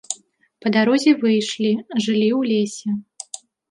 Па дарозе выйшлі, жылі ў лесе.